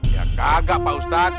ya kagak pak ustadz